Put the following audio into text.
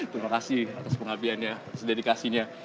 terima kasih atas pengabdiannya dedikasinya